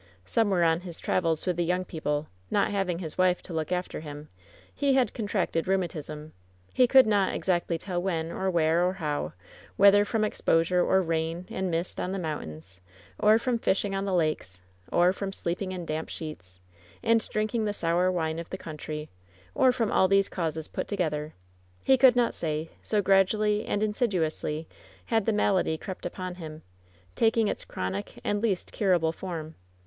Somewhere on his travels with the young people, not having his wife to look after him, he had contracted rheumatism; he could not exactly tell when or where or how, whether from exposure or rain and mist on the mountains, or from fishing on the lakes, or from sleeping in damp sheets, and drinking the sour wine of the country, or from all these causes put together, he could not say, so gradually and insidiously had the malady crept upon him, taking its chronic and least curable form.